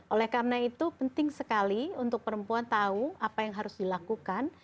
oleh karena itu penting sekali untuk perempuan tahu apa yang harus dilakukan